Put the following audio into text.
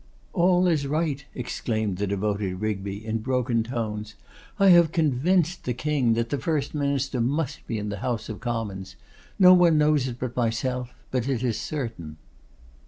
'All is right,' exclaimed the devoted Rigby, in broken tones; 'I have convinced the King that the First Minister must be in the House of Commons. No one knows it but myself; but it is certain.